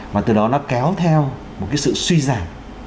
và từ đó nó kéo theo một cái sự suy giảm